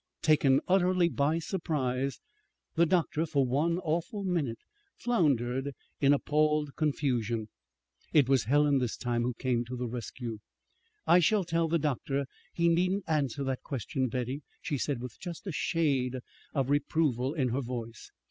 Taken utterly by surprise, the doctor, for one awful minute, floundered in appalled confusion. It was Helen this time who came to the rescue. "I shall tell the doctor he needn't answer that question, Betty," she said, with just a shade of reproval in her voice.